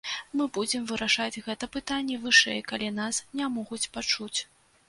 Мы будзем вырашаць гэта пытанне вышэй, калі нас не могуць пачуць.